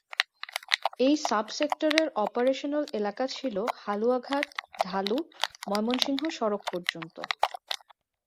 এই সাব-সেক্টরের অপারেশনাল এলাকা ছিল হালুয়াঘাট, ঢালু, ময়মনসিংহ সড়ক পর্যন্ত।